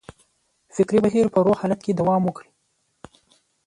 فکري بهیر په روغ حالت کې دوام وکړي.